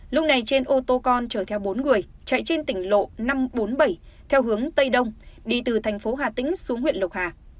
lúc này trên ô tô con chở theo bốn người chạy trên tỉnh lộ năm trăm bốn mươi bảy theo hướng tây đông đi từ thành phố hà tĩnh xuống huyện lộc hà